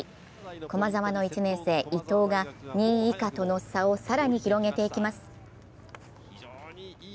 駒澤の１年生・伊藤が２位以下との差を更に広げていきます。